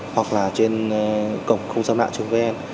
hoặc là trên cổng không gian mạng trường vn